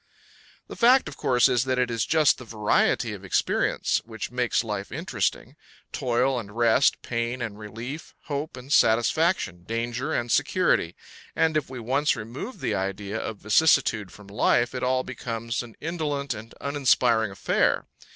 The fact, of course, is that it is just the variety of experience which makes life interesting, toil and rest, pain and relief, hope and satisfaction, danger and security, and if we once remove the idea of vicissitude from life, it all becomes an indolent and uninspiring affair.